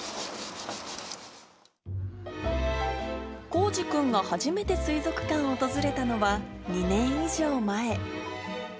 孝治君が初めて水族館を訪れたのは、２年以上前。